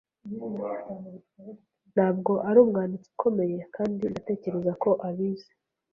Ntabwo ari umwanditsi ukomeye kandi ndatekereza ko abizi.